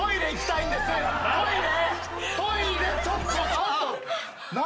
ちょっと何！？